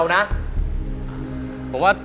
กิเลนพยองครับ